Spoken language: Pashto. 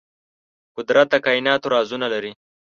قدرت د کائناتو رازونه لري.